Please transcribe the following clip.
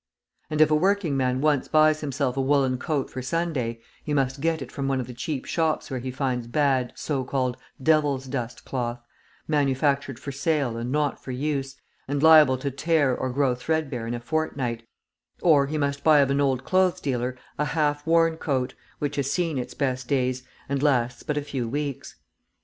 And, if a working man once buys himself a woollen coat for Sunday, he must get it from one of the cheap shops where he finds bad, so called "Devil's dust" cloth, manufactured for sale and not for use, and liable to tear or grow threadbare in a fortnight, or he must buy of an old clothes' dealer a half worn coat which has seen its best days, and lasts but a few weeks.